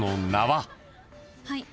はい。